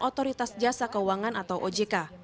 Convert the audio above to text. otoritas jasa keuangan atau ojk